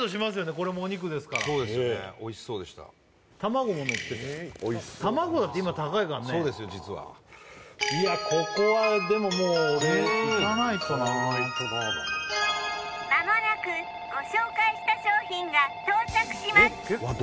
これもお肉ですからそうですよねおいしそうでした卵ものってた卵だって今高いからねそうですよ実はここはでももう俺いかないとなまもなくご紹介した商品が到着しますわ